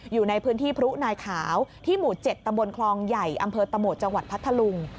อยู่ในพื้นที่พรุ่นายขาวที่หมู่๗ตคลยัยอตจพธรรง